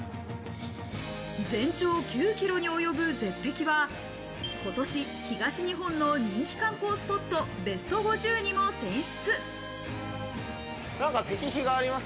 全長９ｋｍに及ぶ絶壁は今年、東日本の人気観光スポットＢＥＳＴ５０にも選出。